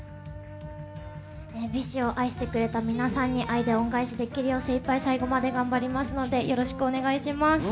ＢｉＳＨを愛してくれた皆さんにあえて恩返しできるよう最後まで精一杯頑張りますので、よろしくお願いします。